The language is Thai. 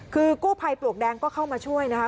คือกู้ภัยปลวกแดงก็เข้ามาช่วยนะคะ